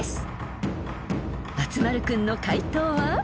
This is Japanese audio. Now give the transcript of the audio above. ［松丸君の解答は］